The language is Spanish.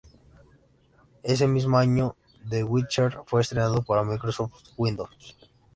Ese mismo año "The Witcher" fue estrenado para Microsoft Windows.